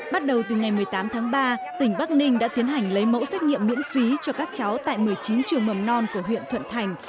bắt đầu từ ngày một mươi tám tháng ba tỉnh bắc ninh đã tiến hành lấy mẫu xét nghiệm miễn phí cho các cháu tại một mươi chín trường mầm non của huyện thuận thành